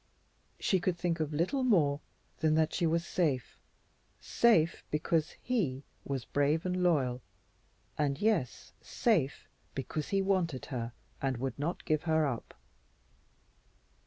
She could think of little more than that she was safe safe because he was brave and loyal and yes, safe because he wanted her and would not give her up.